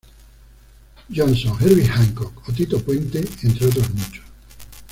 Johnson, Herbie Hancock o Tito Puente, entre otros muchos.